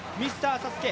ＳＡＳＵＫＥ